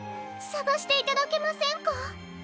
さがしていただけませんか？